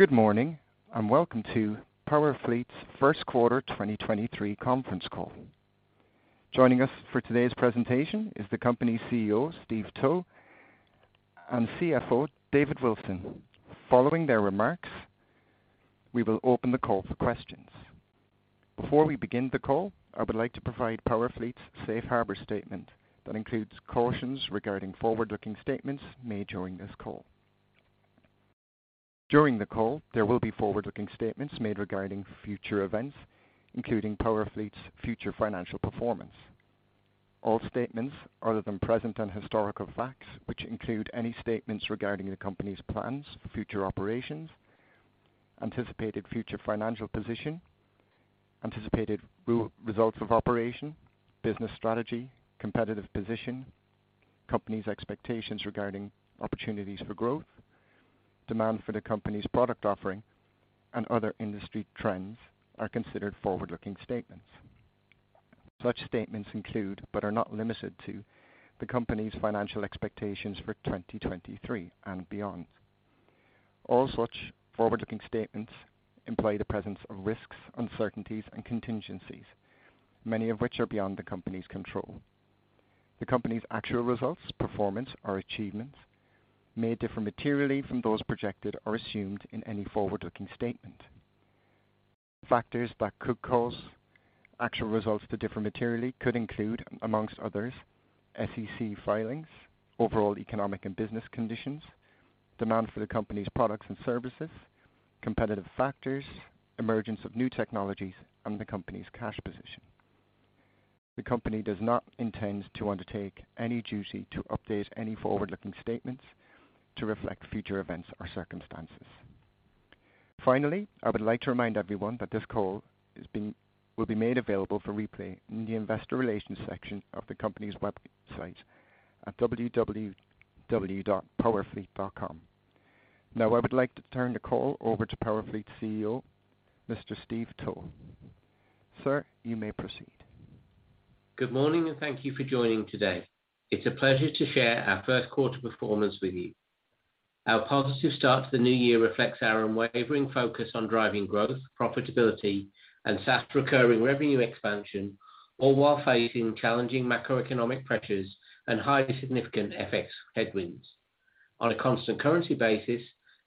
Good morning, welcome to PowerFleet's first quarter 2023 conference call. Joining us for today's presentation is the company's CEO, Steve Towe, and CFO, David Wilson. Following their remarks, we will open the call for questions. Before we begin the call, I would like to provide PowerFleet's safe harbor statement that includes cautions regarding forward-looking statements made during this call. During the call, there will be forward-looking statements made regarding future events, including PowerFleet's future financial performance. All statements other than present and historical facts, which include any statements regarding the company's plans for future operations, anticipated future financial position, anticipated re-results of operation, business strategy, competitive position, company's expectations regarding opportunities for growth, demand for the company's product offering, and other industry trends are considered forward-looking statements. Such statements include, but are not limited to, the company's financial expectations for 2023 and beyond. All such forward-looking statements imply the presence of risks, uncertainties, and contingencies, many of which are beyond the company's control. The company's actual results, performance, or achievements may differ materially from those projected or assumed in any forward-looking statement. Factors that could cause actual results to differ materially could include, among others, SEC filings, overall economic and business conditions, demand for the company's products and services, competitive factors, emergence of new technologies, and the company's cash position. The company does not intend to undertake any duty to update any forward-looking statements to reflect future events or circumstances. Finally, I would like to remind everyone that this call will be made available for replay in the investor relations section of the company's website at www.powerfleet.com. Now, I would like to turn the call over to PowerFleet CEO, Mr. Steve Towe. Sir, you may proceed. Good morning, and thank you for joining today. It's a pleasure to share our first quarter performance with you. Our positive start to the new year reflects our unwavering focus on driving growth, profitability, and fast recurring revenue expansion, all while facing challenging macroeconomic pressures and highly significant FX headwinds. On a constant currency basis,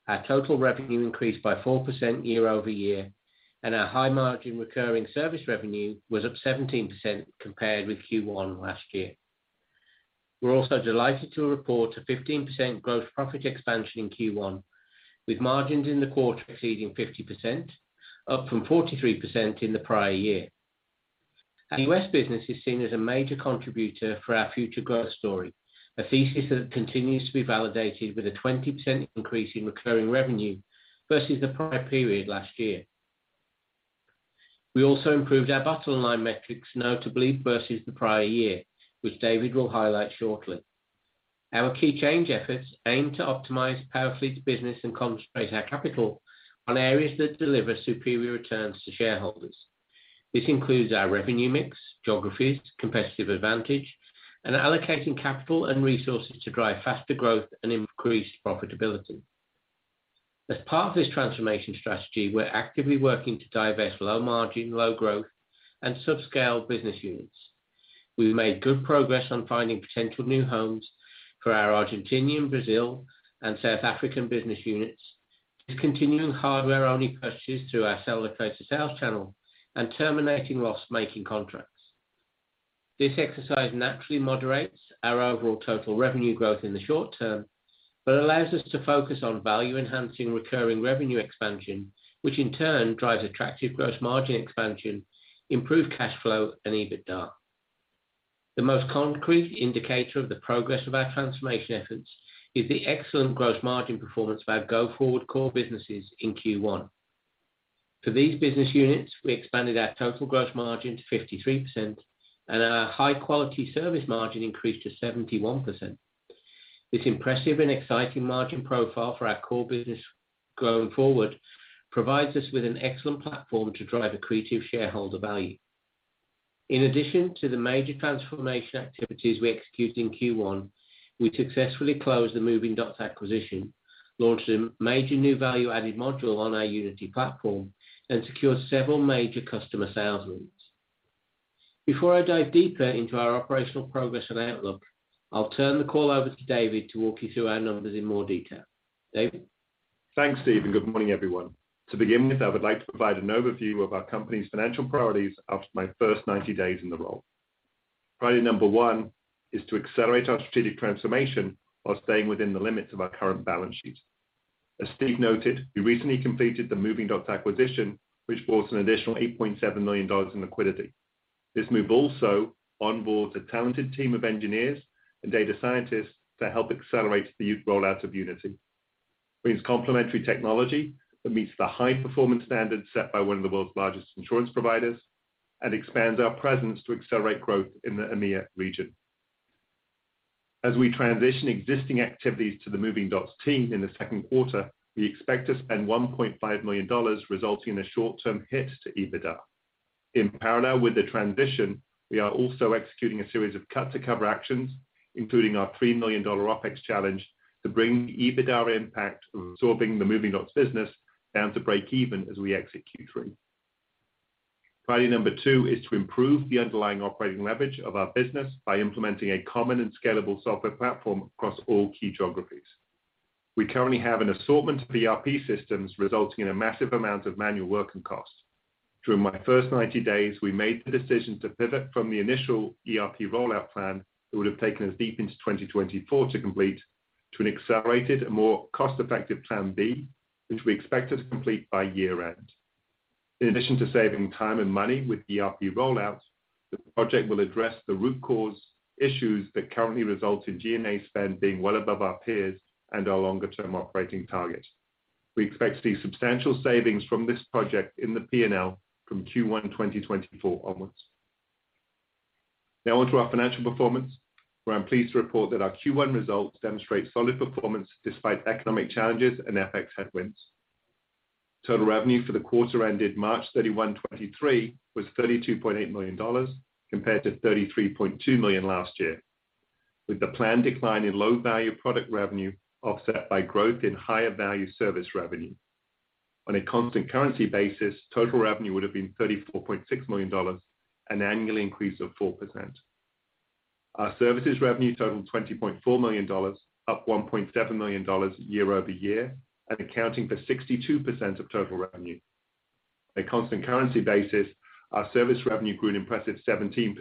our total revenue increased by 4% year-over-year, and our high margin recurring service revenue was up 17% compared with Q1 last year. We're also delighted to report a 15% growth profit expansion in Q1, with margins in the quarter exceeding 50%, up from 43% in the prior year. Our U.S. business is seen as a major contributor for our future growth story, a thesis that continues to be validated with a 20% increase in recurring revenue versus the prior period last year. We also improved our bottom line metrics notably versus the prior year, which David will highlight shortly. Our key change efforts aim to optimize PowerFleet's business and concentrate our capital on areas that deliver superior returns to shareholders. This includes our revenue mix, geographies, competitive advantage, and allocating capital and resources to drive faster growth and increase profitability. As part of this transformation strategy, we're actively working to divest low margin, low growth, and subscale business units. We've made good progress on finding potential new homes for our Argentinian, Brazil, and South African business units to continuing hardware-only purchases through our Cellocator sales channel and terminating loss-making contracts. This exercise naturally moderates our overall total revenue growth in the short term, but allows us to focus on value-enhancing recurring revenue expansion, which in turn drives attractive gross margin expansion, improved cash flow, and EBITDA. The most concrete indicator of the progress of our transformation efforts is the excellent gross margin performance of our go-forward core businesses in Q1. For these business units, we expanded our total gross margin to 53%, and our high-quality service margin increased to 71%. This impressive and exciting margin profile for our core business going forward provides us with an excellent platform to drive accretive shareholder value. In addition to the major transformation activities we executed in Q1, we successfully closed the Movingdots acquisition, launched a major new value-added module on our Unity platform, and secured several major customer sales wins. Before I dive deeper into our operational progress and outlook, I'll turn the call over to David to walk you through our numbers in more detail. David? Thanks, Steve. Good morning, everyone. To begin with, I would like to provide an overview of our company's financial priorities after my first 90 days in the role. Priority number one is to accelerate our strategic transformation while staying within the limits of our current balance sheet. As Steve noted, we recently completed the Movingdots acquisition, which brought us an additional $8.7 million in liquidity. This move also onboarded a talented team of engineers and data scientists to help accelerate the rollout of Unity. It brings complementary technology that meets the high-performance standards set by one of the world's largest insurance providers and expands our presence to accelerate growth in the EMEIA region. As we transition existing activities to the Movingdots team in the second quarter, we expect to spend $1.5 million resulting in a short-term hit to EBITDA. In parallel with the transition, we are also executing a series of cut to cover actions, including our $3 million OpEx challenge to bring the EBITDA impact of absorbing the Movingdots business down to break even as we execute through. Priority number two is to improve the underlying operating leverage of our business by implementing a common and scalable software platform across all key geographies. We currently have an assortment of ERP systems resulting in a massive amount of manual work and costs. During my first 90 days, we made the decision to pivot from the initial ERP rollout plan that would have taken us deep into 2024 to complete to an accelerated and more cost-effective plan B, which we expect us to complete by year-end. In addition to saving time and money with ERP rollouts, the project will address the root cause issues that currently result in G&A spend being well above our peers and our longer-term operating targets. We expect to see substantial savings from this project in the P&L from Q1 2024 onwards. On to our financial performance, where I'm pleased to report that our Q1 results demonstrate solid performance despite economic challenges and FX headwinds. Total revenue for the quarter ended March 31, 2023 was $32.8 million compared to $33.2 million last year, with the planned decline in low value product revenue offset by growth in higher value service revenue. On a constant currency basis, total revenue would have been $34.6 million, an annual increase of 4%. Our services revenue totaled $20.4 million, up $1.7 million year-over-year and accounting for 62% of total revenue. On a constant currency basis, our service revenue grew an impressive 17%,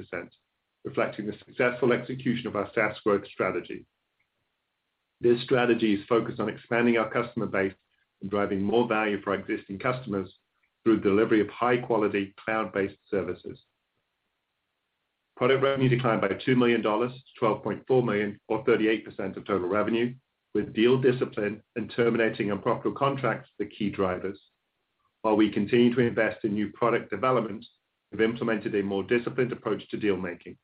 reflecting the successful execution of our SaaS growth strategy. This strategy is focused on expanding our customer base and driving more value for our existing customers through delivery of high-quality cloud-based services. Product revenue declined by $2 million to $12.4 million or 38% of total revenue, with deal discipline and terminating unprofitable contracts the key drivers. While we continue to invest in new product developments, we've implemented a more disciplined approach to deal making.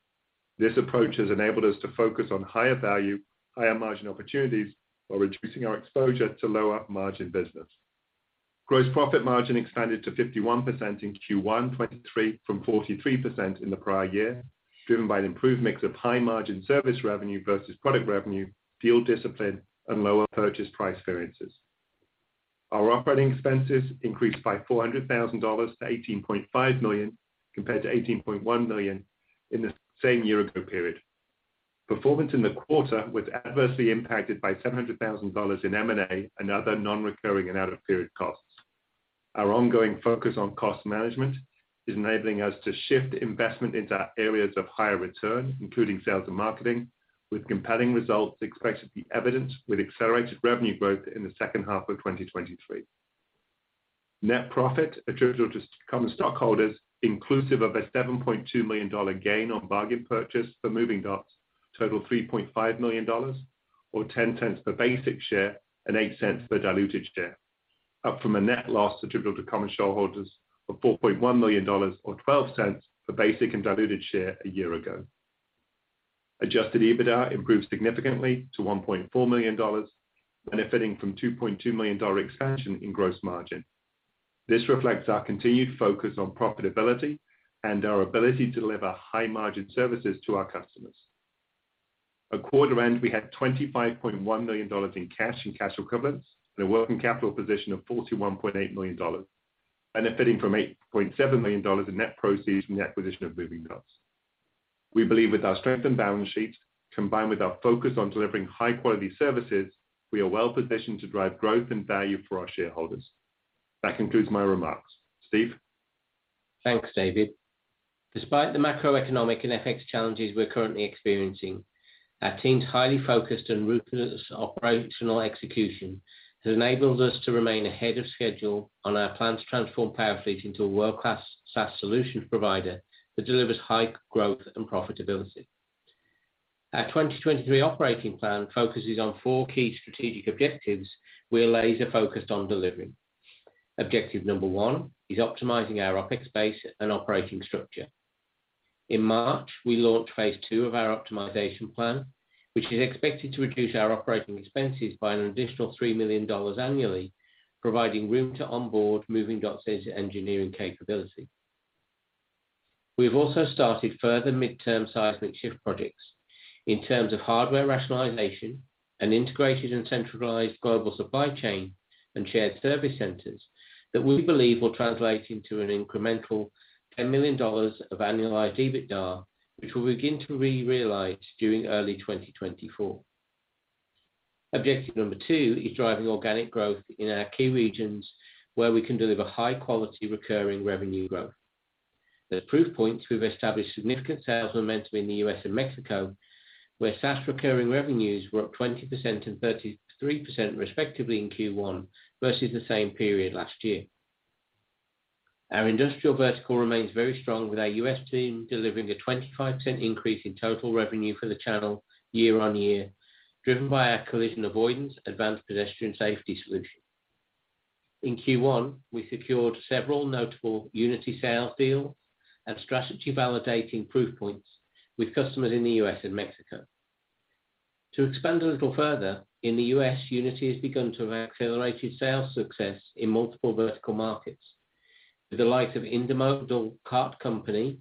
This approach has enabled us to focus on higher value, higher margin opportunities while reducing our exposure to lower margin business. Gross profit margin expanded to 51% in Q1 2023 from 43% in the prior year, driven by an improved mix of high margin service revenue versus product revenue, deal discipline, and lower purchase price variances. Our operating expenses increased by $400,000 to $18.5 million, compared to $18.1 million in the same year ago period. Performance in the quarter was adversely impacted by $700,000 in M&A and other non-recurring and out-of-period costs. Our ongoing focus on cost management is enabling us to shift investment into areas of higher return, including sales and marketing, with compelling results expected to be evidenced with accelerated revenue growth in the second half of 2023. Net profit attributable to common stockholders, inclusive of a $7.2 million gain on bargain purchase for Movingdots totaled $3.5 million, or $0.10 per basic share and $0.08 per diluted share, up from a net loss attributable to common shareholders of $4.1 million or $0.12 for basic and diluted share a year ago. Adjusted EBITDA improved significantly to $1.4 million, benefiting from $2.2 million expansion in gross margin. This reflects our continued focus on profitability and our ability to deliver high margin services to our customers. At quarter end, we had $25.1 million in cash and cash equivalents and a working capital position of $41.8 million, benefiting from $8.7 million in net proceeds from the acquisition of Movingdots. We believe with our strengthened balance sheet, combined with our focus on delivering high quality services, we are well positioned to drive growth and value for our shareholders. That concludes my remarks. Steve? Thanks, David. Despite the macroeconomic and FX challenges we're currently experiencing, our team's highly focused and ruthless operational execution has enabled us to remain ahead of schedule on our plan to transform PowerFleet into a world-class SaaS solutions provider that delivers high growth and profitability. Our 2023 operating plan focuses on 4 key strategic objectives we are laser-focused on delivering. Objective number 1 is optimizing our OpEx base and operating structure. In March, we launched phase II of our optimization plan, which is expected to reduce our operating expenses by an additional $3 million annually, providing room to onboard Movingdots' engineering capability. We've also started further midterm seismic shift projects in terms of hardware rationalization and integrated and centralized global supply chain and shared service centers that we believe will translate into an incremental $10 million of annualized EBITDA, which we'll begin to re-realize during early 2024. Objective number two is driving organic growth in our key regions where we can deliver high-quality recurring revenue growth. The proof points we've established significant sales momentum in the U.S and Mexico, where SaaS recurring revenues were up 20% and 33% respectively in Q1 versus the same period last year. Our industrial vertical remains very strong with our U.S. team delivering a 25% increase in total revenue for the channel year-on-year, driven by our collision avoidance advanced pedestrian safety solution. In Q1, we secured several notable Unity sales deals and strategy validating proof points with customers in the U.S. and Mexico. To expand a little further, in the U.S., Unity has begun to have accelerated sales success in multiple vertical markets, with the likes of National Cart Company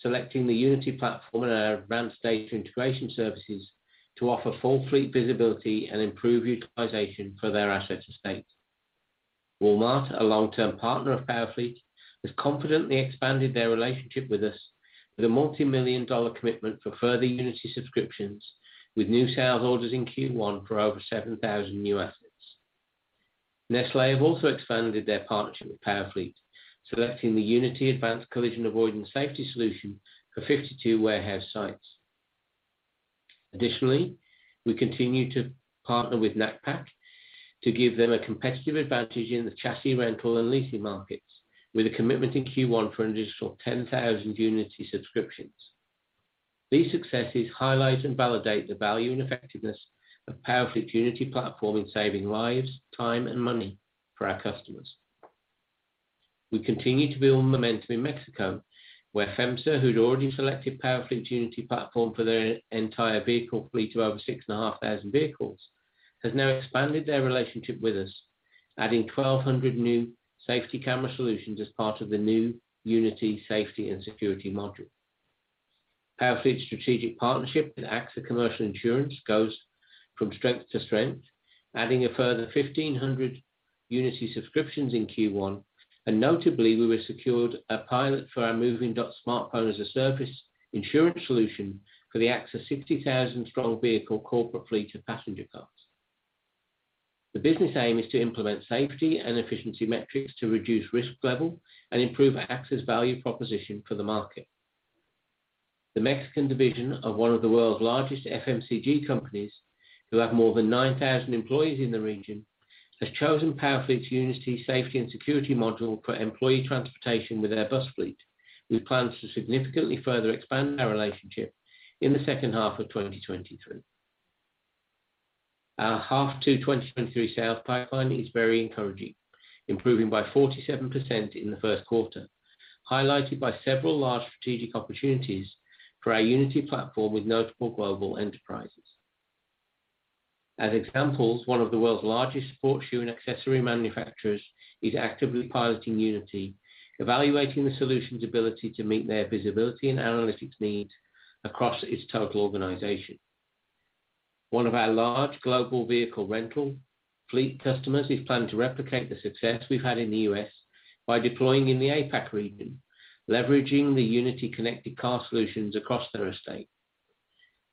selecting the Unity platform and our advanced data integration services to offer full fleet visibility and improve utilization for their asset estate. Walmart, a long-term partner of PowerFleet, has confidently expanded their relationship with us with a multimillion-dollar commitment for further Unity subscriptions, with new sales orders in Q1 for over 7,000 new assets. Nestlé have also expanded their partnership with PowerFleet, selecting the Unity advanced collision avoidance safety solution for 52 warehouse sites. Additionally, we continue to partner with Knapheide to give them a competitive advantage in the chassis rental and leasing markets with a commitment in Q1 for an additional 10,000 Unity subscriptions. These successes highlight and validate the value and effectiveness of PowerFleet Unity platform in saving lives, time, and money for our customers. We continue to build momentum in Mexico, where FEMSA, who'd already selected PowerFleet Unity platform for their entire vehicle fleet of over 6,500 vehicles, has now expanded their relationship with us, adding 1,200 new safety camera solutions as part of the new Unity Safety and Security module. PowerFleet's strategic partnership with AXA Commercial Insurance goes from strength to strength, adding a further 1,500 Unity subscriptions in Q1. Notably, we have secured a pilot for our Movingdots smartphone as a service insurance solution for the AXA 60,000-strong vehicle corporate fleet of passenger cars. The business aim is to implement safety and efficiency metrics to reduce risk level and improve AXA's value proposition for the market. The Mexican division of one of the world's largest FMCG companies, who have more than 9,000 employees in the region, has chosen PowerFleet's Unity Safety and Security module for employee transportation with their bus fleet, with plans to significantly further expand our relationship in the second half of 2023. Our H2 2023 sales pipeline is very encouraging, improving by 47% in the first quarter, highlighted by several large strategic opportunities for our Unity platform with notable global enterprises. As examples, one of the world's largest sports shoe and accessory manufacturers is actively piloting Unity, evaluating the solution's ability to meet their visibility and analytics needs across its total organization. One of our large global vehicle rental fleet customers is planning to replicate the success we've had in the U.S. by deploying in the APAC region, leveraging the Unity Connected Car solutions across their estate.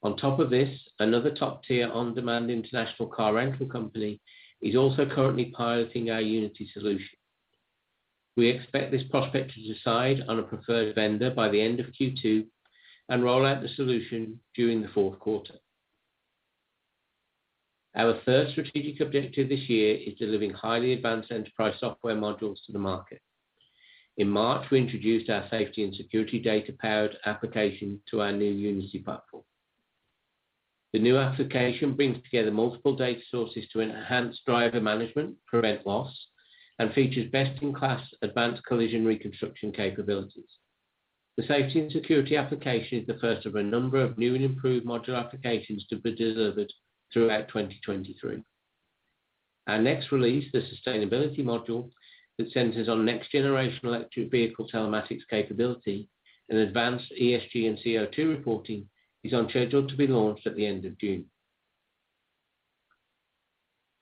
On top of this, another top-tier on-demand international car rental company is also currently piloting our Unity solution. We expect this prospect to decide on a preferred vendor by the end of Q2 and roll out the solution during the fourth quarter. Our third strategic objective this year is delivering highly advanced enterprise software modules to the market. In March, we introduced our Safety and Security data-powered application to our new Unity platform. The new application brings together multiple data sources to enhance driver management, prevent loss, and features best-in-class advanced collision reconstruction capabilities. The Safety and Security application is the first of a number of new and improved module applications to be delivered throughout 2023. Our next release, the sustainability module that centers on next-generation electric vehicle telematics capability and advanced ESG and CO2 reporting, is on schedule to be launched at the end of June.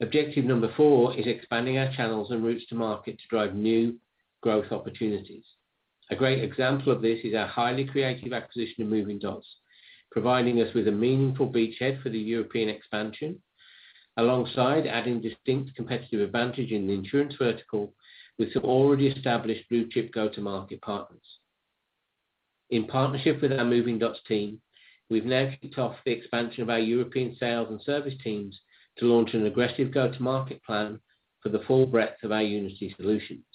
Objective number 4 is expanding our channels and routes to market to drive new growth opportunities. A great example of this is our highly creative acquisition of Movingdots, providing us with a meaningful beachhead for the European expansion, alongside adding distinct competitive advantage in the insurance vertical with some already established blue-chip go-to-market partners. In partnership with our Movingdots team, we've now kicked off the expansion of our European sales and service teams to launch an aggressive go-to-market plan for the full breadth of our Unity solutions.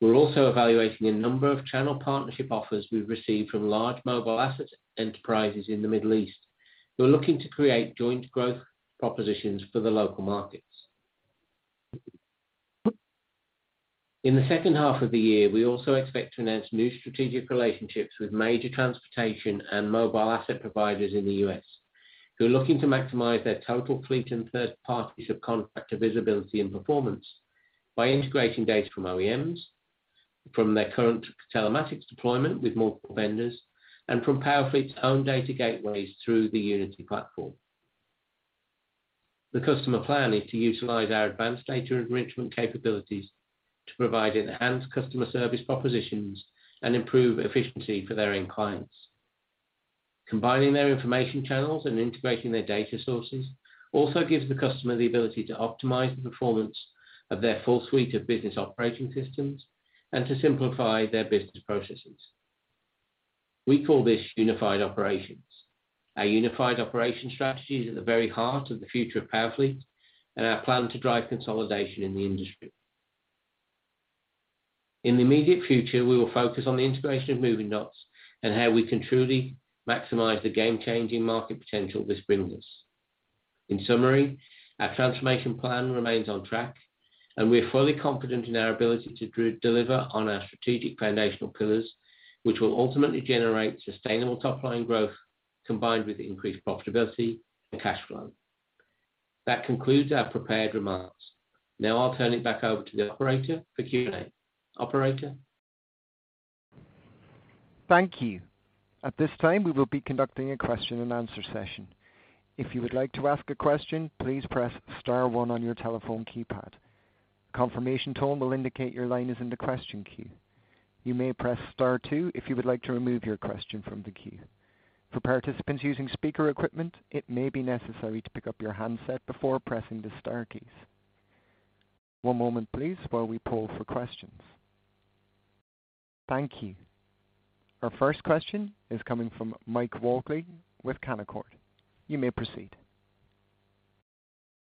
We're also evaluating a number of channel partnership offers we've received from large mobile asset enterprises in the Middle East, who are looking to create joint growth propositions for the local markets. In the second half of the year, we also expect to announce new strategic relationships with major transportation and mobile asset providers in the U.S., who are looking to maximize their total fleet and third parties of contractor visibility and performance by integrating data from OEMs, from their current telematics deployment with multiple vendors, and from PowerFleet's own data gateways through the Unity platform. The customer plan is to utilize our advanced data enrichment capabilities to provide enhanced customer service propositions and improve efficiency for their end clients. Combining their information channels and integrating their data sources also gives the customer the ability to optimize the performance of their full suite of business operating systems and to simplify their business processes. We call this unified operations. Our unified operation strategy is at the very heart of the future of PowerFleet and our plan to drive consolidation in the industry. The immediate future, we will focus on the integration of Movingdots and how we can truly maximize the game-changing market potential this brings us. Summary, our transformation plan remains on track, and we're fully confident in our ability to deliver on our strategic foundational pillars, which will ultimately generate sustainable top-line growth, combined with increased profitability and cash flow. That concludes our prepared remarks. Now I'll turn it back over to the operator for Q&A. Operator? Thank you. At this time, we will be conducting a question and answer session. If you would like to ask a question, please press star one on your telephone keypad. A confirmation tone will indicate your line is in the question queue. You may press star two if you would like to remove your question from the queue. For participants using speaker equipment, it may be necessary to pick up your handset before pressing the star keys. One moment, please, while we poll for questions. Thank you. Our first question is coming from Mike Walkley with Canaccord Genuity. You may proceed.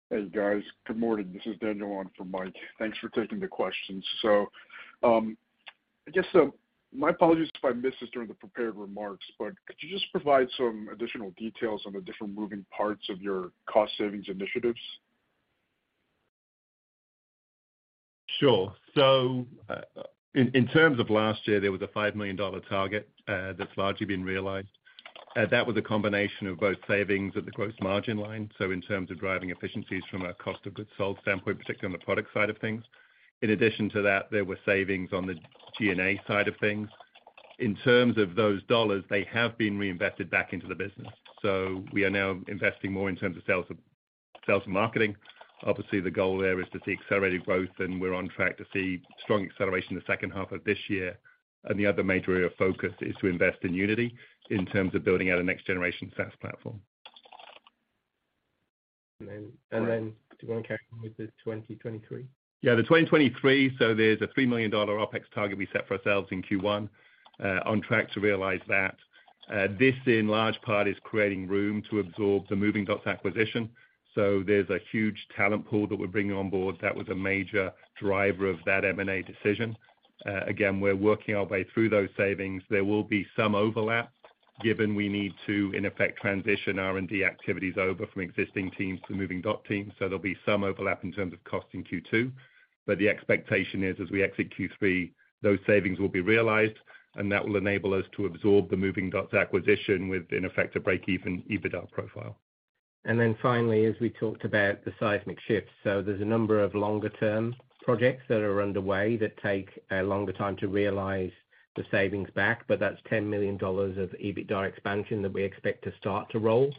Hey, guys. Good morning. This is Daniel on for Mike. Thanks for taking the questions. I guess, my apologies if I missed this during the prepared remarks, but could you just provide some additional details on the different moving parts of your cost savings initiatives? Sure. In terms of last year, there was a $5 million target, that's largely been realized. That was a combination of both savings at the gross margin line, so in terms of driving efficiencies from a cost of goods sold standpoint, particularly on the product side of things. In addition to that, there were savings on the G&A side of things. In terms of those dollars, they have been reinvested back into the business. We are now investing more in terms of sales and marketing. Obviously, the goal there is to see accelerated growth, and we're on track to see strong acceleration in the second half of this year. The other major area of focus is to invest in Unity in terms of building out a next-generation SaaS platform. Do you wanna carry on with the 2023? Yeah, the 2023, there's a $3 million OpEx target we set for ourselves in Q1. On track to realize that. This in large part is creating room to absorb the Movingdots acquisition. There's a huge talent pool that we're bringing on board. That was a major driver of that M&A decision. Again, we're working our way through those savings. There will be some overlap given we need to, in effect, transition R&D activities over from existing teams to Movingdots teams. There'll be some overlap in terms of cost in Q2. The expectation is, as we exit Q3, those savings will be realized, and that will enable us to absorb the Movingdots acquisition with an effective breakeven EBITDA profile. Finally, as we talked about, the seismic shifts. There's a number of longer term projects that are underway that take a longer time to realize the savings back, but that's $10 million of EBITDA expansion that we expect to start to roll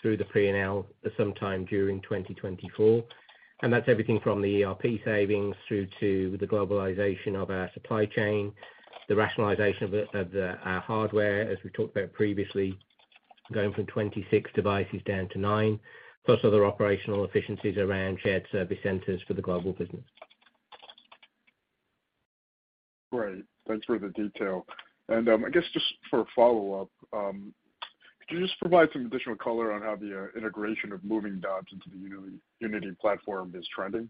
through the P&L sometime during 2024. That's everything from the ERP savings through to the globalization of our supply chain, the rationalization of the our hardware, as we talked about previously, going from 26 devices down to nine, plus other operational efficiencies around shared service centers for the global business. Great. Thanks for the detail. I guess just for a follow-up, could you just provide some additional color on how the integration of Movingdots into the Unity platform is trending?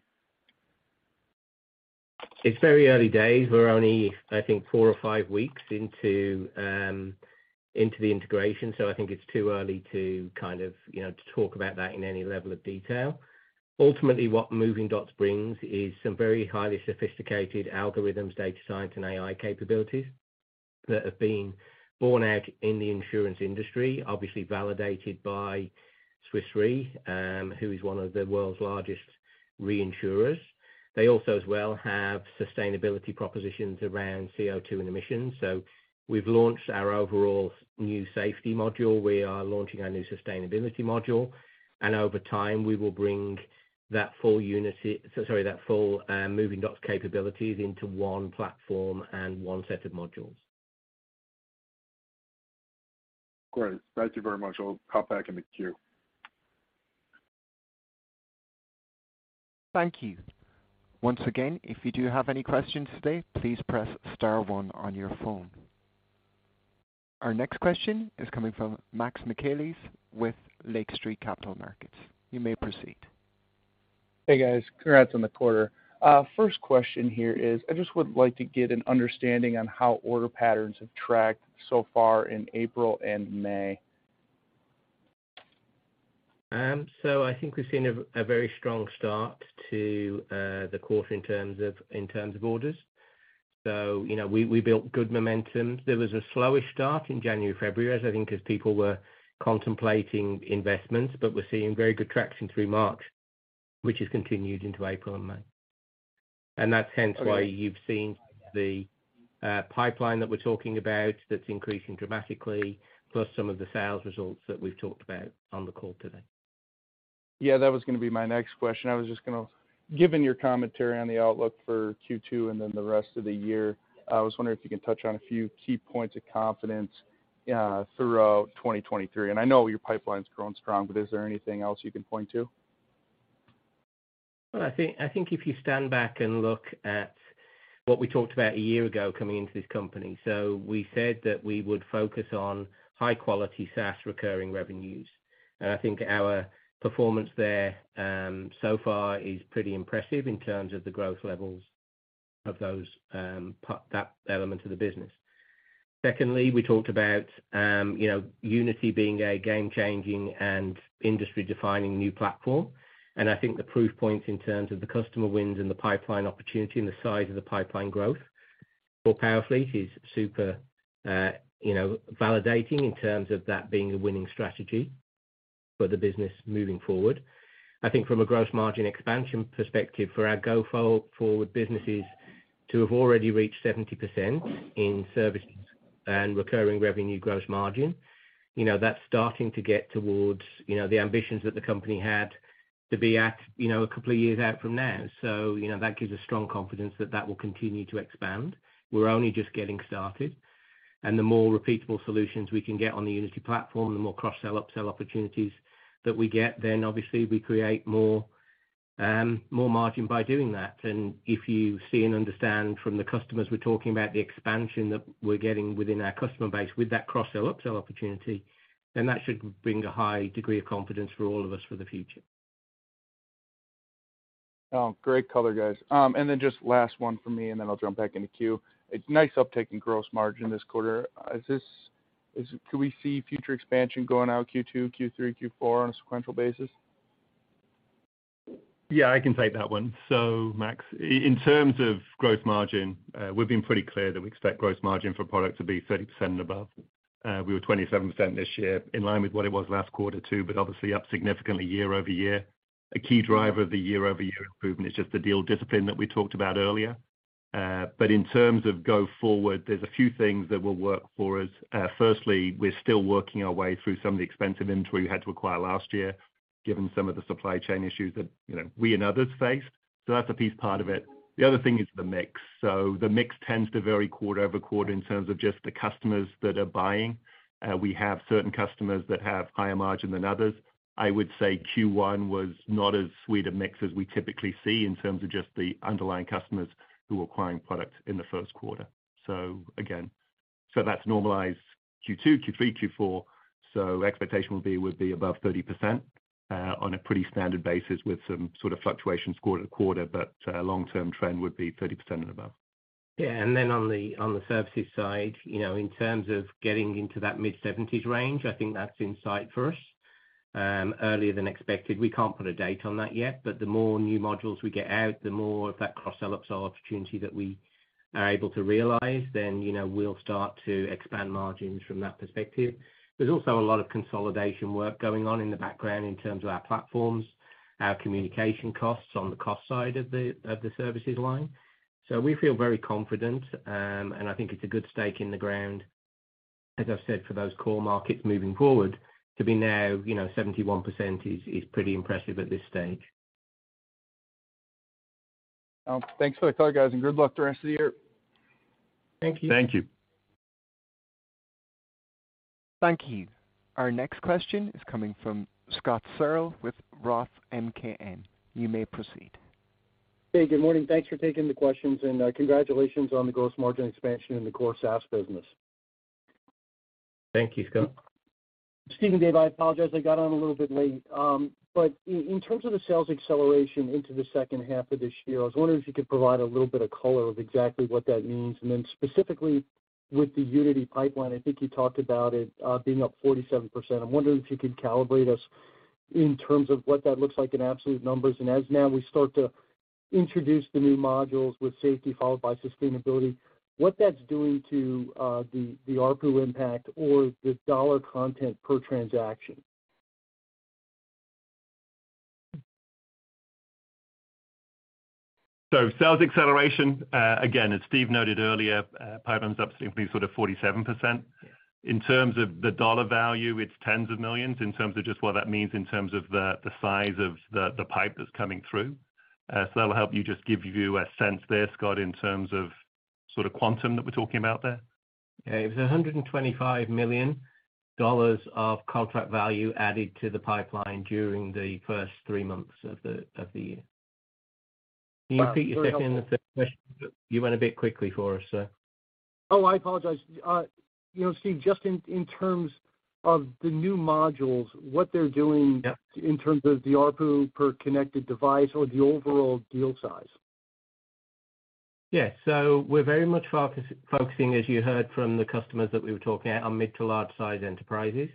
It's very early days. We're only, I think, four or five weeks into the integration, I think it's too early to kind of, you know, to talk about that in any level of detail. Ultimately, what Movingdots brings is some very highly sophisticated algorithms, data science, and AI capabilities that have been borne out in the insurance industry, obviously validated by Swiss Re, who is one of the world's largest reinsurers. They also as well have sustainability propositions around CO2 and emissions. We've launched our overall new safety module. We are launching our new sustainability module, and over time, we will bring sorry, that full Movingdots capabilities into one platform and one set of modules. Great. Thank you very much. I'll hop back in the queue. Thank you. Once again, if you do have any questions today, please press star one on your phone. Our next question is coming from Max Michaelis with Lake Street Capital Markets. You may proceed. Hey, guys. Congrats on the quarter. First question here is, I just would like to get an understanding on how order patterns have tracked so far in April and May. I think we've seen a very strong start to the quarter in terms of orders. You know, we built good momentum. There was a slowest start in January, February, as people were contemplating investments. We're seeing very good traction through March, which has continued into April and May. That's hence why you've seen the pipeline that we're talking about that's increasing dramatically, plus some of the sales results that we've talked about on the call today. Yeah, that was gonna be my next question. Given your commentary on the outlook for Q2 and then the rest of the year, I was wondering if you can touch on a few key points of confidence throughout 2023. I know your pipeline's grown strong, but is there anything else you can point to? I think if you stand back and look at what we talked about a year ago coming into this company. We said that we would focus on high-quality SaaS recurring revenues. I think our performance there, so far is pretty impressive in terms of the growth levels of those, that element of the business. Secondly, we talked about, you know, Unity being a game-changing and industry-defining new platform. I think the proof points in terms of the customer wins and the pipeline opportunity and the size of the pipeline growth for PowerFleet is super, you know, validating in terms of that being a winning strategy for the business moving forward. I think from a gross margin expansion perspective for our go-forward businesses to have already reached 70% in services and recurring revenue gross margin, you know, that's starting to get towards, you know, the ambitions that the company had to be at, you know, a couple of years out from now. You know, that gives us strong confidence that that will continue to expand. We're only just getting started. The more repeatable solutions we can get on the Unity platform, the more cross-sell, upsell opportunities that we get, then obviously we create more margin by doing that. If you see and understand from the customers we're talking about the expansion that we're getting within our customer base with that cross-sell, upsell opportunity, then that should bring a high degree of confidence for all of us for the future. Oh, great color, guys. And then just last one for me, and then I'll jump back in the queue. A nice uptick in gross margin this quarter. Can we see future expansion going out Q2, Q3, Q4 on a sequential basis? Yeah, I can take that one. Max, in terms of gross margin, we've been pretty clear that we expect gross margin for product to be 30% and above. We were 27% this year in line with what it was last quarter too, obviously up significantly year-over-year. A key driver of the year-over-year improvement is just the deal discipline that we talked about earlier. In terms of go forward, there's a few things that will work for us. Firstly, we're still working our way through some of the expensive inventory we had to acquire last year, given some of the supply chain issues that, you know, we and others faced. That's a piece part of it. The other thing is the mix. The mix tends to vary quarter-over-quarter in terms of just the customers that are buying. We have certain customers that have higher margin than others. I would say Q1 was not as sweet a mix as we typically see in terms of just the underlying customers who are acquiring product in the first quarter. Again, that's normalized Q2, Q3, Q4. Expectation will be above 30% on a pretty standard basis with some sort of fluctuations quarter-to-quarter, but long term trend would be 30% and above. Yeah. Then on the, on the services side, you know, in terms of getting into that mid-70s range, I think that's in sight for us, earlier than expected. We can't put a date on that yet, but the more new modules we get out, the more of that cross-sell, upsell opportunity that we are able to realize, then, you know, we'll start to expand margins from that perspective. There's also a lot of consolidation work going on in the background in terms of our platforms, our communication costs on the cost side of the, of the services line. We feel very confident, and I think it's a good stake in the ground, as I've said, for those core markets moving forward to be now, you know, 71% is pretty impressive at this stage. Thanks for the color, guys, and good luck the rest of the year. Thank you. Thank you. Thank you. Our next question is coming from Scott Searle with Roth MKM. You may proceed. Hey, good morning. Thanks for taking the questions. Congratulations on the gross margin expansion in the core SaaS business. Thank you, Scott. Steve, David, I apologize, I got on a little bit late. In terms of the sales acceleration into the second half of this year, I was wondering if you could provide a little bit of color of exactly what that means. Then specifically with the Unity pipeline, I think you talked about it, being up 47%. I'm wondering if you could calibrate us in terms of what that looks like in absolute numbers. As now we start to introduce the new modules with safety followed by sustainability, what that's doing to the ARPU impact or the dollar content per transaction. Sales acceleration, again, as Steve Towe noted earlier, pipeline's up significantly, sort of 47%. In terms of the dollar value, it's tens of millions in terms of just what that means in terms of the size of the pipe that's coming through. That'll help you just give you a sense there, Scott Searle, in terms of sort of quantum that we're talking about there. Yeah. It was $125 million of contract value added to the pipeline during the first three months of the year. Can you repeat your second and third question? You went a bit quickly for us, so... Oh, I apologize. you know, Steve Towe, just in terms of the new modules, what they're doing. Yeah. in terms of the ARPU per connected device or the overall deal size. Yeah. We're very much focusing, as you heard from the customers that we were talking at, on mid to large size enterprises.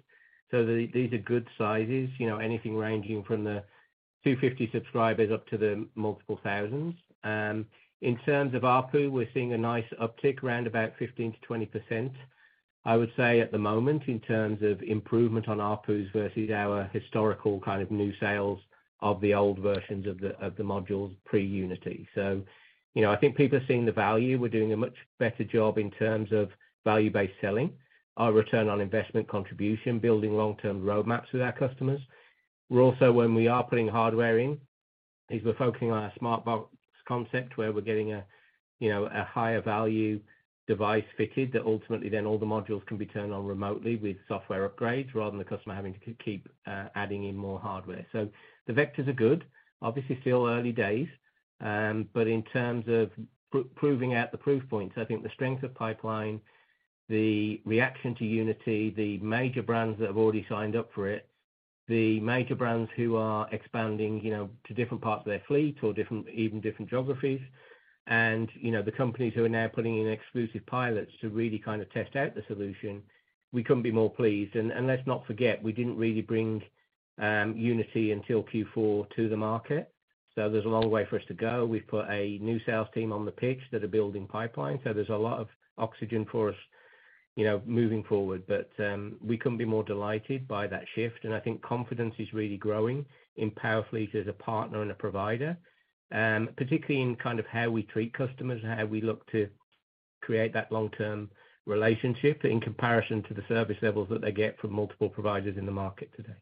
These are good sizes, you know, anything ranging from the 250 subscribers up to the multiple thousands. In terms of ARPU, we're seeing a nice uptick around about 15%-20%, I would say at the moment in terms of improvement on ARPUs versus our historical kind of new sales of the old versions of the modules pre-Unity. You know, I think people are seeing the value. We're doing a much better job in terms of value-based selling, our return on investment contribution, building long-term roadmaps with our customers. We're also, when we are putting hardware in, is we're focusing on our smart box concept where we're getting a, you know, a higher value device fitted that ultimately then all the modules can be turned on remotely with software upgrades rather than the customer having to keep adding in more hardware. The vectors are good. Obviously, still early days. In terms of proving out the proof points, I think the strength of pipeline, the reaction to Unity, the major brands that have already signed up for it. The major brands who are expanding, you know, to different parts of their fleet or different, even different geographies. The companies who are now putting in exclusive pilots to really kind of test out the solution. We couldn't be more pleased. Let's not forget, we didn't really bring Unity until Q4 to the market. There's a long way for us to go. We've put a new sales team on the pitch that are building pipeline. There's a lot of oxygen for us, you know, moving forward. We couldn't be more delighted by that shift. I think confidence is really growing in PowerFleet as a partner and a provider, particularly in kind of how we treat customers and how we look to create that long-term relationship in comparison to the service levels that they get from multiple providers in the market today.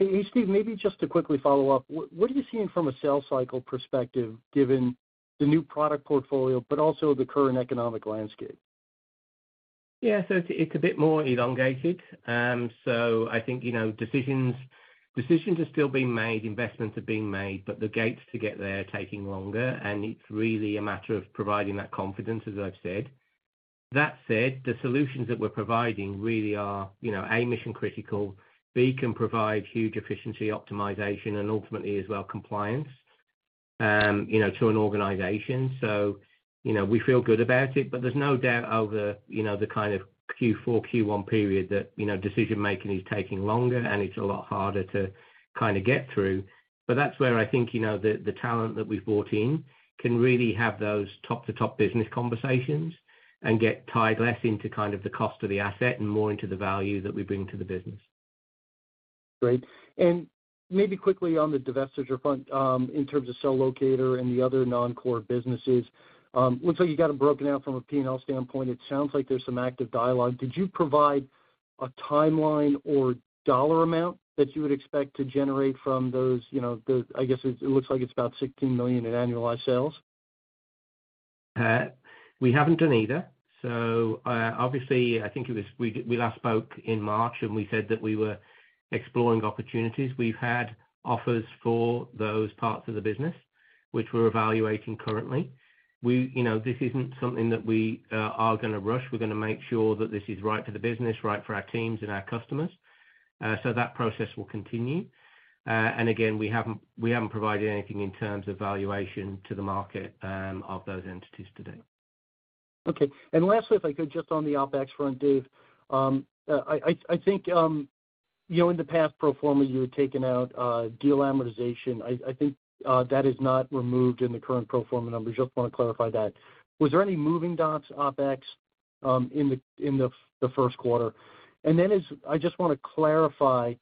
Hey, Steve, maybe just to quickly follow up. What are you seeing from a sales cycle perspective, given the new product portfolio but also the current economic landscape? Yeah. It's, it's a bit more elongated. I think, you know, decisions are still being made, investments are being made, but the gates to get there are taking longer, and it's really a matter of providing that confidence, as I've said. That said, the solutions that we're providing really are, you know, A, mission-critical, B, can provide huge efficiency optimization and ultimately as well, compliance, you know, to an organization. You know, we feel good about it, but there's no doubt over, you know, the kind of Q4, Q1 period that, you know, decision-making is taking longer, and it's a lot harder to kinda get through. That's where I think, you know, the talent that we've brought in can really have those top-to-top business conversations and get tied less into kind of the cost of the asset and more into the value that we bring to the business. Great. Maybe quickly on the divestiture front, in terms of Cellocator and the other non-core businesses, looks like you got it broken out from a P&L standpoint. It sounds like there's some active dialogue. Could you provide a timeline or dollar amount that you would expect to generate from those, you know, I guess it looks like it's about $16 million in annualized sales. We haven't done either. We last spoke in March, we said that we were exploring opportunities. We've had offers for those parts of the business, which we're evaluating currently. You know, this isn't something that we are gonna rush. We're gonna make sure that this is right for the business, right for our teams and our customers. That process will continue. Again, we haven't provided anything in terms of valuation to the market of those entities today. Okay. Lastly, if I could, just on the OpEx front, Dave. I think, you know, in the past pro forma, you had taken out deal amortization. I think, that is not removed in the current pro forma numbers. Just wanna clarify that. Was there any Movingdots OpEx in the first quarter? I just wanna clarify,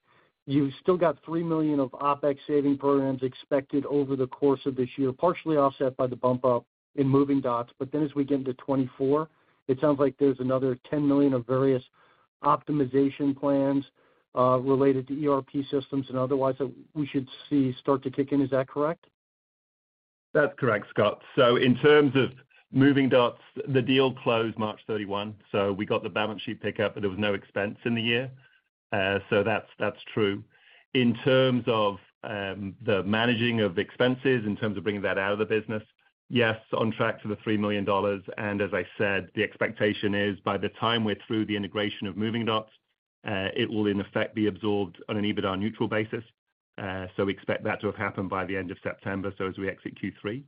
you still got $3 million of OpEx saving programs expected over the course of this year, partially offset by the bump up in Movingdots. As we get into 2024, it sounds like there's another $10 million of various optimization plans, related to ERP systems and otherwise that we should see start to kick in. Is that correct? That's correct, Scott. In terms of Movingdots, the deal closed March 31. We got the balance sheet pickup, but there was no expense in the year. That's true. In terms of the managing of the expenses, in terms of bringing that out of the business, yes, on track for the $3 million. As I said, the expectation is by the time we're through the integration of Movingdots, it will in effect be absorbed on an EBITDA neutral basis. We expect that to have happened by the end of September, so as we exit Q3.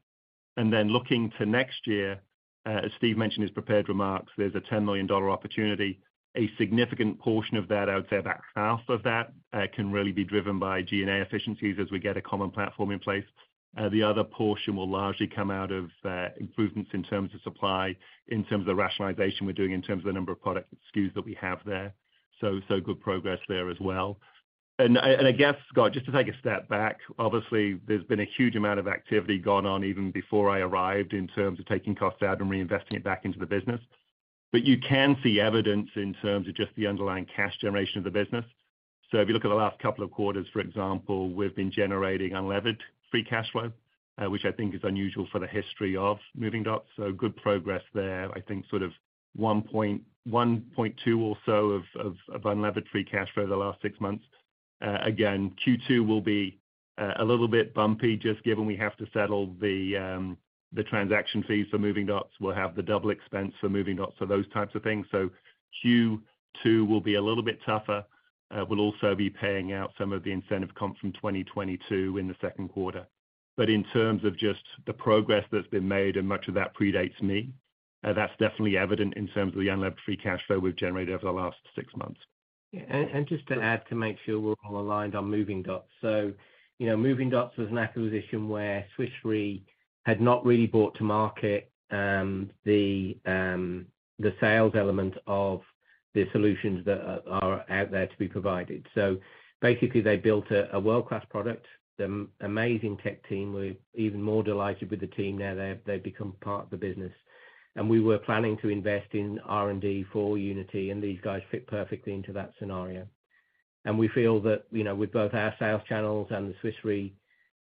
Looking to next year, as Steve mentioned his prepared remarks, there's a $10 million opportunity. A significant portion of that, I would say about half of that, can really be driven by G&A efficiencies as we get a common platform in place. The other portion will largely come out of improvements in terms of supply, in terms of the rationalization we're doing, in terms of the number of product SKUs that we have there. Good progress there as well. I guess, Scott, just to take a step back, obviously there's been a huge amount of activity gone on even before I arrived in terms of taking costs out and reinvesting it back into the business. You can see evidence in terms of just the underlying cash generation of the business. If you look at the last couple of quarters, for example, we've been generating unlevered free cash flow, which I think is unusual for the history of Movingdots. Good progress there. I think sort of $1.1, $1.2 or so of unlevered free cash flow the last six months. Again, Q2 will be a little bit bumpy, just given we have to settle the transaction fees for Movingdots. We'll have the double expense for Movingdots, so those types of things. Q2 will be a little bit tougher. We'll also be paying out some of the incentive comp from 2022 in the second quarter. In terms of just the progress that's been made and much of that predates me, that's definitely evident in terms of the unlevered free cash flow we've generated over the last six months. Just to add to make sure we're all aligned on Movingdots. You know, Movingdots was an acquisition where Swiss Re had not really brought to market the sales element of the solutions that are out there to be provided. Basically, they built a world-class product. The amazing tech team, we're even more delighted with the team now they've become part of the business. We were planning to invest in R&D for Unity, and these guys fit perfectly into that scenario. We feel that, you know, with both our sales channels and the Swiss Re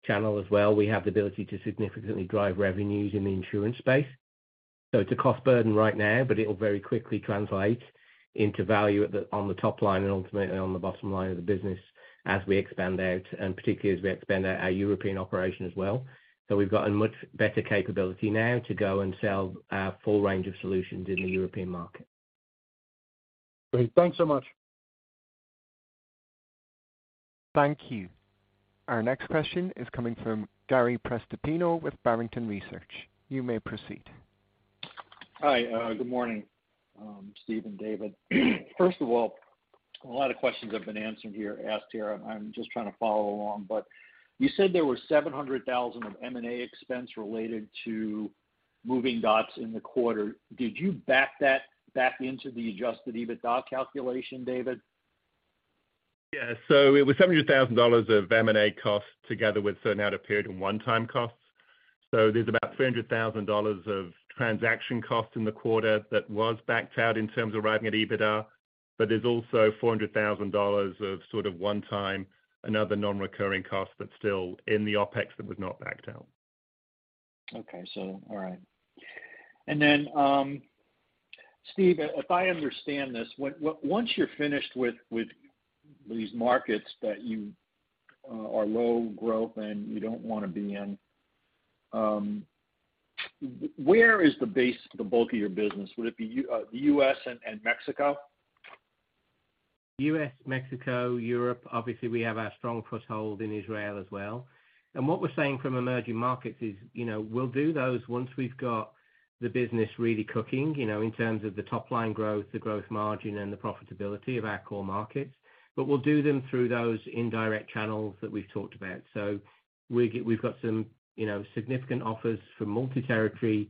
channel as well, we have the ability to significantly drive revenues in the insurance space. It's a cost burden right now, but it'll very quickly translate into value on the top line and ultimately on the bottom line of the business. As we expand out, and particularly as we expand our European operation as well. We've got a much better capability now to go and sell our full range of solutions in the European market. Great. Thanks so much. Thank you. Our next question is coming from Gary Prestopino with Barrington Research. You may proceed. Hi. good morning, Steve and David. First of all, a lot of questions have been answered here, asked here. I'm just trying to follow along. You said there were $700,000 of M&A expense related to Movingdots in the quarter. Did you back that back into the adjusted EBITDA calculation, David? It was $700,000 of M&A costs together with certain out-of-period and one-time costs. There's about $300,000 of transaction costs in the quarter that was backed out in terms of arriving at EBITDA, but there's also $400,000 of sort of one-time and other non-recurring costs that's still in the OpEx that was not backed out. Okay. All right. Steve, if I understand this, once you're finished with these markets that you are low growth and you don't wanna be in, where is the base, the bulk of your business? Would it be the US and Mexico? U.S., Mexico, Europe. Obviously, we have our strong foothold in Israel as well. What we're saying from emerging markets is, you know, we'll do those once we've got the business really cooking, you know, in terms of the top-line growth, the growth margin, and the profitability of our core markets. We'll do them through those indirect channels that we've talked about. We've got some, you know, significant offers from multi-territory,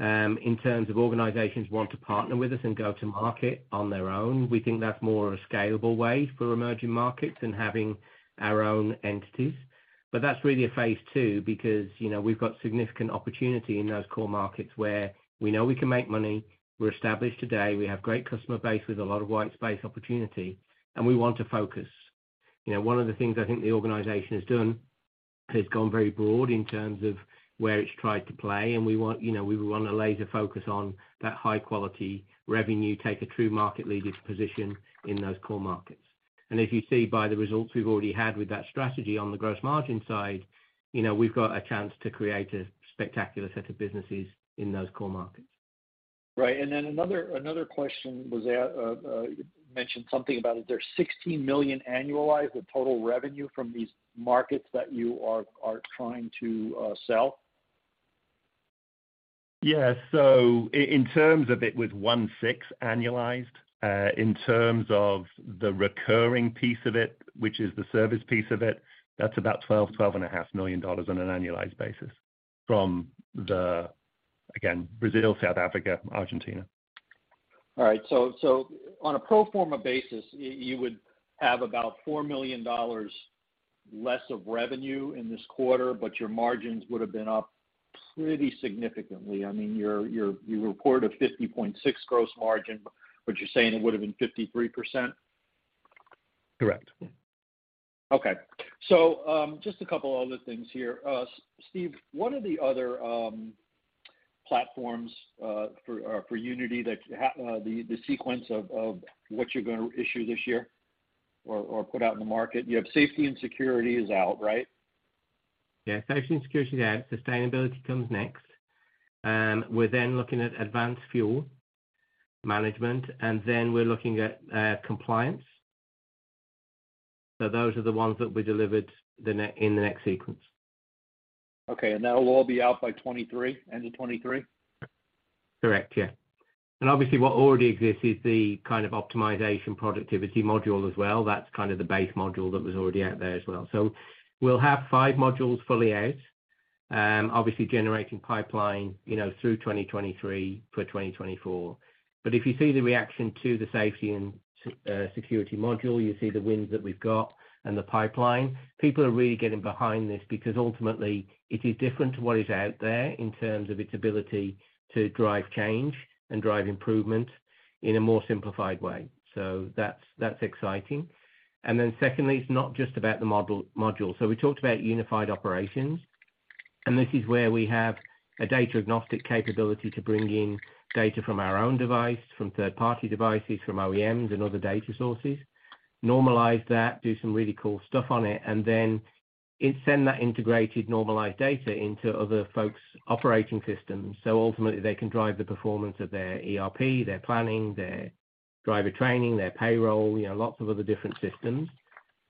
in terms of organizations who want to partner with us and go to market on their own. We think that's more of a scalable way for emerging markets than having our own entities. That's really a phase two because, you know, we've got significant opportunity in those core markets where we know we can make money, we're established today, we have great customer base with a lot of white space opportunity, and we want to focus. You know, one of the things I think the organization has done is gone very broad in terms of where it's tried to play, and we want, you know, we wanna laser focus on that high quality revenue, take a true market leader's position in those core markets. If you see by the results we've already had with that strategy on the gross margin side, you know, we've got a chance to create a spectacular set of businesses in those core markets. Right. Then another question was, you mentioned something about, is there $16 million annualized of total revenue from these markets that you are trying to sell? In terms of it with 16 annualized, in terms of the recurring piece of it, which is the service piece of it, that's about $12.5 million on an annualized basis from the, again, Brazil, South Africa, Argentina. On a pro forma basis, you would have about $4 million less of revenue in this quarter, but your margins would have been up pretty significantly. I mean, your, you report a 50.6 gross margin, but you're saying it would have been 53%? Correct. Okay. Just a couple other things here. Steve, what are the other platforms for Unity that the sequence of what you're gonna issue this year or put out in the market? You have safety and security is out, right? Yeah. Safety and Security is out. Sustainability comes next. We're then looking at advanced fuel management, and then we're looking at compliance. Those are the ones that we delivered in the next sequence. Okay. That'll all be out by 2023, end of 2023? Correct. Yeah. Obviously, what already exists is the kind of optimization productivity module as well. That's kind of the base module that was already out there as well. We'll have five modules fully out, obviously generating pipeline, you know, through 2023, for 2024. If you see the reaction to the Safety and Security module, you see the wins that we've got and the pipeline. People are really getting behind this because ultimately it is different to what is out there in terms of its ability to drive change and drive improvement in a more simplified way. That's, that's exciting. Secondly, it's not just about the module. We talked about unified operations, and this is where we have a data agnostic capability to bring in data from our own device, from third-party devices, from OEMs and other data sources, normalize that, do some really cool stuff on it, and then it send that integrated normalized data into other folks' operating systems. Ultimately they can drive the performance of their ERP, their planning, their driver training, their payroll, you know, lots of other different systems.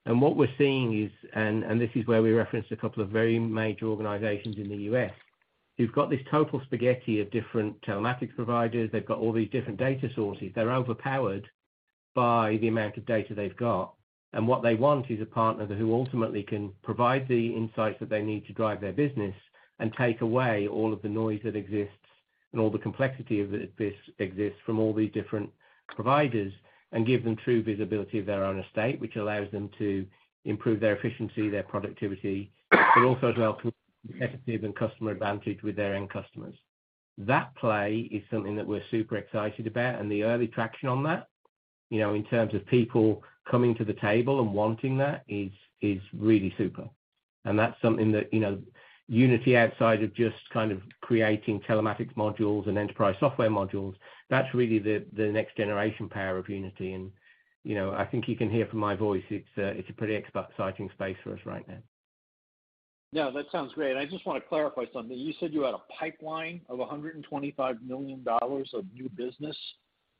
What we're seeing is, and this is where we referenced a couple of very major organizations in the U.S., who've got this total spaghetti of different telematics providers. They've got all these different data sources. They're overpowered by the amount of data they've got. What they want is a partner who ultimately can provide the insights that they need to drive their business and take away all of the noise that exists and all the complexity of this exists from all these different providers and give them true visibility of their own estate, which allows them to improve their efficiency, their productivity, but also as well competitive and customer advantage with their end customers. That play is something that we're super excited about, and the early traction on that, you know, in terms of people coming to the table and wanting that is really super. That's something that, you know, Unity outside of just kind of creating telematics modules and enterprise software modules, that's really the next generation power of Unity. You know, I think you can hear from my voice, it's a pretty exciting space for us right now. That sounds great. I just wanna clarify something. You said you had a pipeline of $125 million of new business.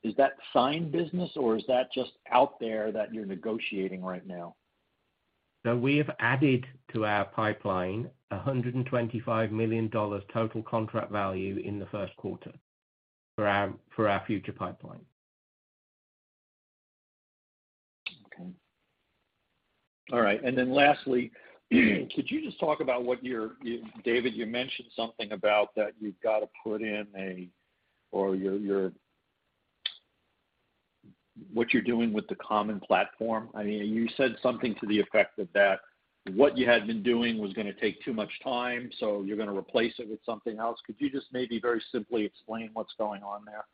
Is that signed business or is that just out there that you're negotiating right now? We have added to our pipeline $125 million total contract value in the first quarter for our future pipeline. Okay. All right. Lastly, could you just talk about what you're... David, you mentioned something about that you've got to put in a or you're what you're doing with the common platform. I mean, you said something to the effect that what you had been doing was gonna take too much time, so you're gonna replace it with something else. Could you just maybe very simply explain what's going on there?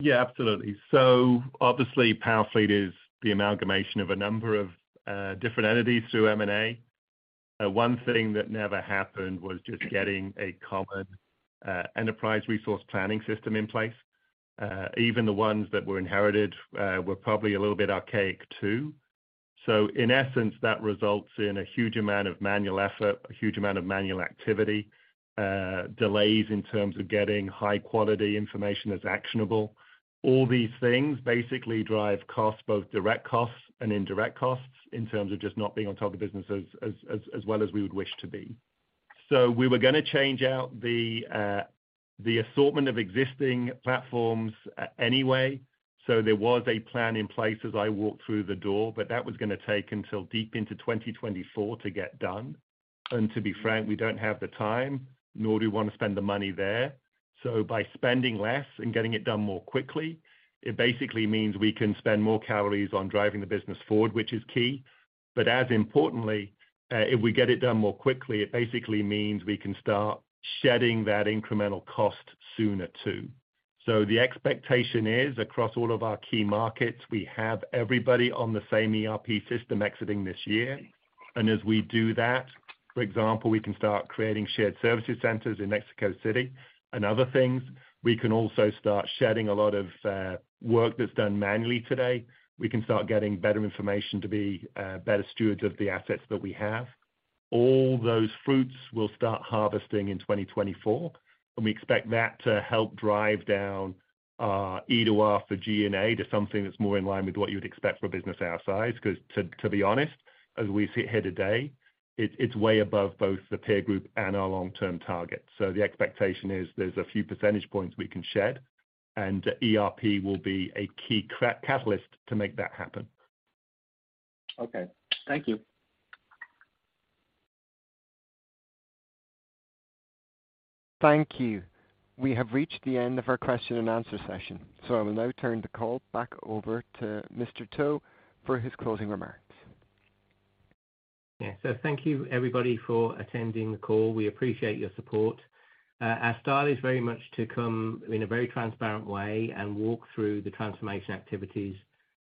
Yeah, absolutely. Obviously, PowerFleet is the amalgamation of a number of different entities through M&A. One thing that never happened was just getting a common enterprise resource planning system in place. Even the ones that were inherited, were probably a little bit archaic, too. In essence, that results in a huge amount of manual effort, a huge amount of manual activity, delays in terms of getting high quality information that's actionable. All these things basically drive costs, both direct costs and indirect costs in terms of just not being on top of business as well as we would wish to be. We were gonna change out the assortment of existing platforms anyway, there was a plan in place as I walked through the door, but that was gonna take until deep into 2024 to get done. To be frank, we don't have the time, nor do we wanna spend the money there. By spending less and getting it done more quickly, it basically means we can spend more calories on driving the business forward, which is key. As importantly, if we get it done more quickly, it basically means we can start shedding that incremental cost sooner, too. The expectation is across all of our key markets, we have everybody on the same ERP system exiting this year. As we do that, for example, we can start creating shared services centers in Mexico City and other things. We can also start shedding a lot of work that's done manually today. We can start getting better information to be better stewards of the assets that we have. All those fruits will start harvesting in 2024, we expect that to help drive down either of for G&A to something that's more in line with what you would expect for a business our size. 'Cause to be honest, as we sit here today, it's way above both the peer group and our long-term target. The expectation is there's a few percentage points we can shed, ERP will be a key catalyst to make that happen. Okay. Thank you. Thank you. We have reached the end of our question and answer session, so I will now turn the call back over to Mr. Towe for his closing remarks. Thank you everybody for attending the call. We appreciate your support. Our style is very much to come in a very transparent way and walk through the transformation activities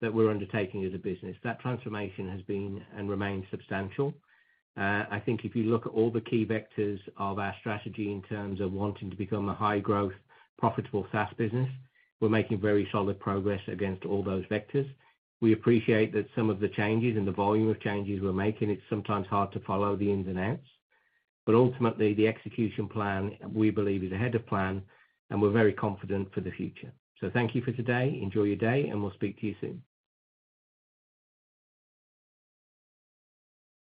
that we're undertaking as a business. That transformation has been and remains substantial. I think if you look at all the key vectors of our strategy in terms of wanting to become a high-growth, profitable SaaS business, we're making very solid progress against all those vectors. We appreciate that some of the changes and the volume of changes we're making, it's sometimes hard to follow the ins and outs. Ultimately, the execution plan, we believe is ahead of plan, and we're very confident for the future. Thank you for today. Enjoy your day, and we'll speak to you soon.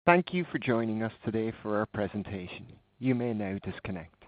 Thank you for joining us today for our presentation. You may now disconnect.